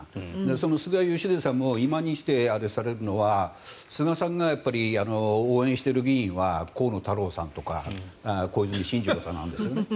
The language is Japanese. その菅義偉さんも今にして、あれされるのは菅さんが応援している議員は河野太郎さんとか小泉進次郎さんなんです。